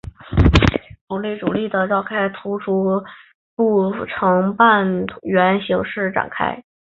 普军主力环绕这个突出部成半圆形展开。